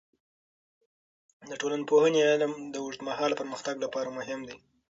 د ټولنپوهنې علم د اوږدمهاله پرمختګ لپاره مهم دی.